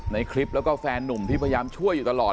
ในคลิปแล้วก็แฟนนุ่มที่พยายามช่วยอยู่ตลอด